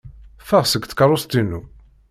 Ffeɣ seg tkeṛṛust-inu!